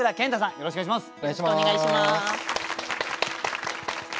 よろしくお願いします。